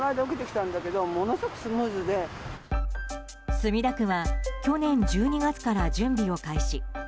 墨田区は去年１２月から準備を開始。